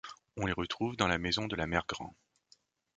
On les retrouve dans la maison de la mère-grand.